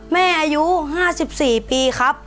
แม่อายุ๕๔ปีครับ